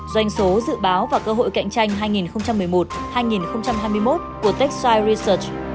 doanh số dự báo và cơ hội cạnh tranh hai nghìn một mươi một hai nghìn hai mươi một của texai resort